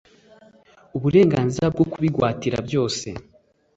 uburenganzira bwo kubigwatira byose